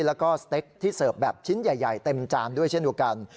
แล้วก็สเต็กที่เสิร์ฟแบบชิ้นใหญ่เต็มจานด้วยเช่นเดียวกัน